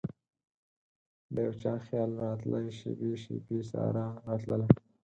دیو چا خیال راتلي شیبې ،شیبې سارا راتلله